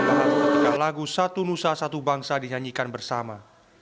bercanda bertambah lagu satu nusa satu bangsa dinyanyikan bersama